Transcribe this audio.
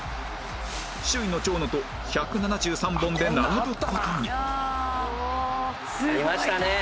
首位の長野と１７３本で並ぶ事にありましたね。